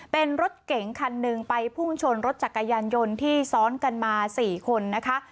เป็นรถเก๋งคันหนึ่งไปพุ่งชนรถจักรยานยนต์ที่ซ้อนกันมา๔คนนะคะ